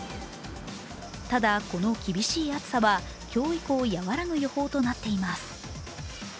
ただ、この厳しい暑さは今日以降、やわらぐ予報となっています。